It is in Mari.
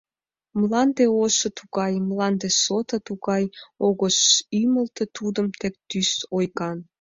Мланде ошо тугай, Мланде сото тугай, Огеш ӱмылтӧ тудым тек тӱс ойган.